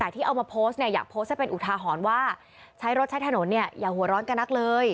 ที่เอามาโพสต์เนี่ยอยากโพสต์ให้เป็นอุทาหรณ์ว่าใช้รถใช้ถนนเนี่ยอย่าหัวร้อนกับนักเลย